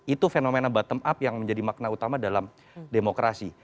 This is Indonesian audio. itu fenomena bottom up yang menjadi makna utama dalam demokrasi